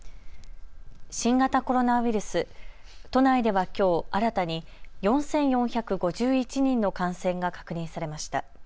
新型コロナウイルス、都内ではきょう新たに４４５１人の感染が確認されました。